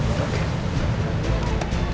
saya gak tahu apa apa